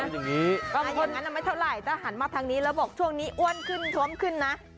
อย่างนั้นไม่เท่าไหร่ถ้าหันมาทางนี้แล้วบอกช่วงนี้อ้วนขึ้นท้วมขึ้นนะ